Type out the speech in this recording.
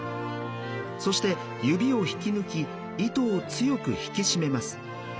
そして指を引き抜き糸を強く引き締めます。